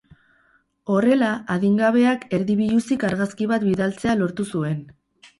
Horrela, adingabeak erdi biluzik argazki bat bidaltzea lortu zuen.